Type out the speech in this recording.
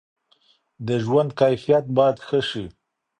د ژوند کیفیت باید ښه سي.